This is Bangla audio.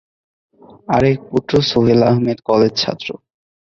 আরেক পুত্র সোহেল আহমেদ কলেজ ছাত্র।